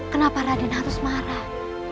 kenapa raden harus marah